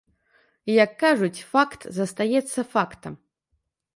Як кажуць, факт застаецца фактам.